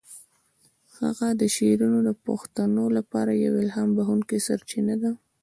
د هغه شعرونه د پښتنو لپاره یوه الهام بخښونکی سرچینه ده.